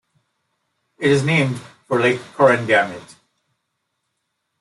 It is named for Lake Corangamite.